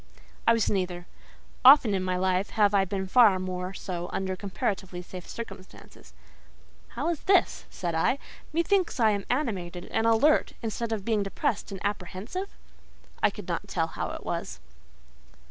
I was neither. Often in my life have I been far more so under comparatively safe circumstances. "How is this?" said I. "Methinks I am animated and alert, instead of being depressed and apprehensive?" I could not tell how it was.